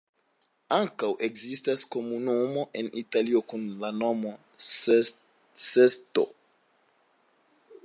Ankaŭ ekzistas komunumo en Italio kun la nomo Sesto.